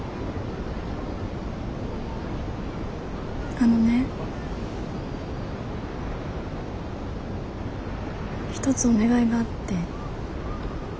あのね一つお願いがあって。